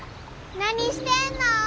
何してんの？